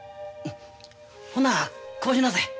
ほなこうしなさい。